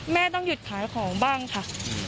ต้องหยุดขายของบ้างค่ะ